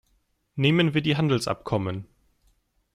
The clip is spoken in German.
Nehmen wir die Handelsabkommen.